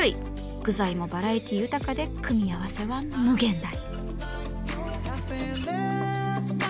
具材もバラエティー豊かで組み合わせは無限大。